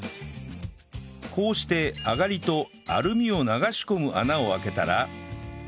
こうしてあがりとアルミを流し込む穴を開けたら